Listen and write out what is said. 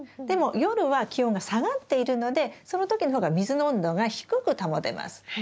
でも夜は気温が下がっているのでその時の方が水の温度が低く保てます。